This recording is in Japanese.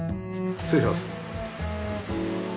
失礼します。